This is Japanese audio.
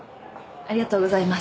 ありがとうございます。